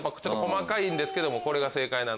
細かいですけどもこれが正解。